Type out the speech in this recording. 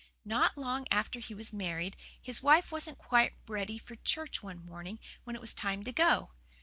"Not long after he was married his wife wasn't quite ready for church one morning when it was time to go.